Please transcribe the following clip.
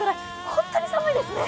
本当に寒いですね。